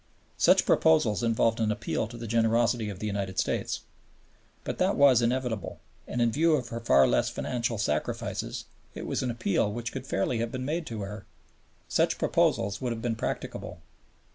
Such proposals involved an appeal to the generosity of the United States. But that was inevitable; and, in view of her far less financial sacrifices, it was an appeal which could fairly have been made to her. Such proposals would have been practicable.